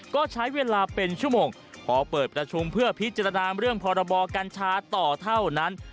ก็ใช้เวลาเป็นชั่วโมงพอเปิดประชุมเพื่อพิจารณาเรื่องพรบกัญชาต่อเท่านั้น